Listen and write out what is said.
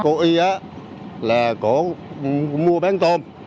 cô y là cô mua bán tôm